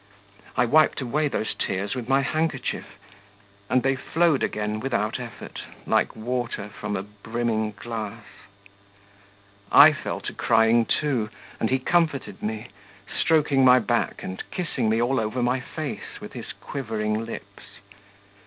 I wiped away those tears with my handkerchief, and they flowed again without effort, like water from a brimming glass. I fell to crying, too, and he comforted me, stroking my back and kissing me all over my face with his quivering lips.